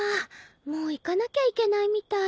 もう行かなきゃいけないみたい。